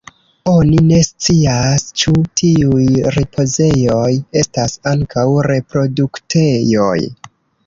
Oni ne scias ĉu tiuj ripozejoj estas ankaŭ reproduktejoj.